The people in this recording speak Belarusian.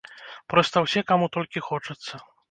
Проста ўсе, каму толькі хочацца!